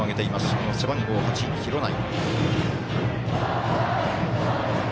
この背番号８、廣内。